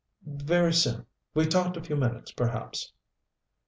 "Very soon. We talked a few minutes, perhaps."